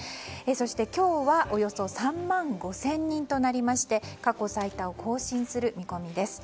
そして今日はおよそ３万５０００人となりまして過去最多を更新する見込みです。